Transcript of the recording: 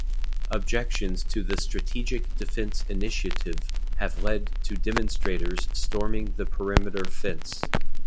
Objections to the Strategic Defense Initiative have led to demonstrators storming the perimeter fence.